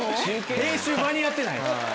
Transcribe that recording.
編集間に合ってない？